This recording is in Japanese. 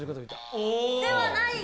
ではない。